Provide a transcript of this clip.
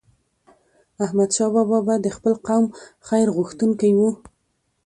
احمدشاه بابا به د خپل قوم خیرغوښتونکی و.